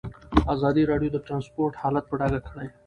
ازادي راډیو د ترانسپورټ حالت په ډاګه کړی.